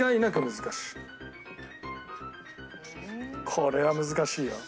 これは難しいよ。